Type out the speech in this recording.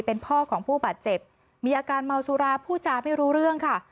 เป็นพ่อของผู้บาดเจ็บมีอาการเมาสุราผู้จาไม่รู้เรื่องค่ะ